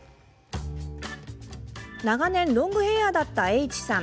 長年ロングヘアだったＨさん。